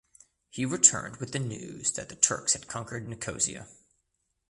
He returned with the news that the Turks had conquered Nicosia.